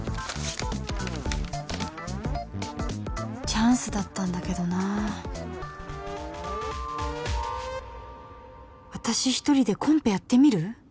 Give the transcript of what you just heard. チャンスだったんだけどな私一人でコンペやってみる？